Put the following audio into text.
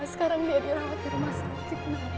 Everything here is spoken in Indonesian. sekarang dia dirawat di rumah sakit